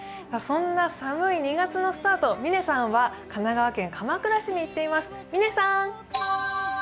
そんな寒い２月のスタート、嶺さんは神奈川県鎌倉市に行っています。